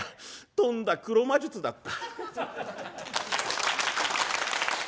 とんだ黒魔術だった」。